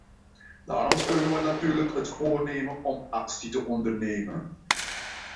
Daarom steunen wij natuurlijk het voornemen om actie te ondernemen.